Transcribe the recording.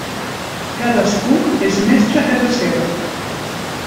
Cadascú és mestre a casa seva.